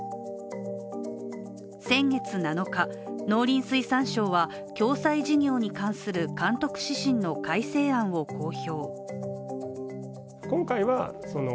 先月７日、農林水産省は共済事業に関する監督指針の改正案を公表。